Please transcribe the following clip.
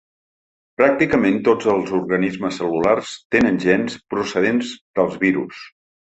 Pràcticament tots els organismes cel·lulars tenen gens procedents dels virus.